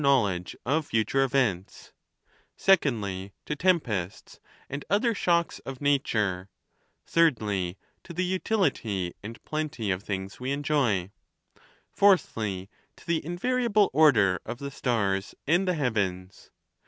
knowledge of fature events ; secondly, to tempests, and othei" shocks of nature ; thirdly, to the utility and plenty of things we enjoy ; fourthly, to the invariable order of the stars and the heavens.